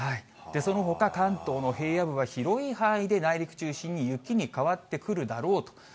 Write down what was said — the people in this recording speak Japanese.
そのほか関東の平野部は広い範囲で、内陸中心に雪に変わってくるだろうと。